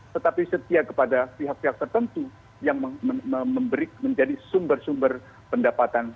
tetapi setia kepada pihak pihak tertentu yang memberi menjadi sumber sumber pendapatan